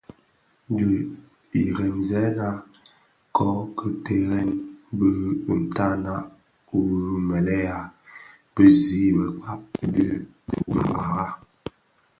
Di iremzëna kō ki terrèn bi ntanag wu mëlèya bi zi bëkpa dhi dhuwara.